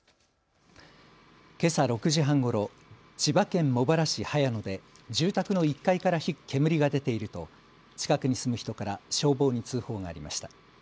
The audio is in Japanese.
けさ６時半ごろ、千葉県茂原市早野で住宅の１階から煙が出ていると近くに住む人から消防に通報がありました。